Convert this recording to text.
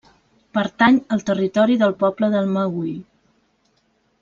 Pertany al territori del poble del Meüll.